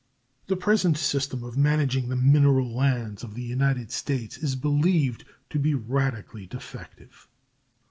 The present system of managing the mineral lands of the United States is believed to be radically defective.